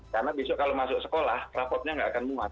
karena besok kalau masuk sekolah rapotnya nggak akan muat